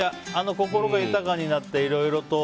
心が豊かになっていろいろと。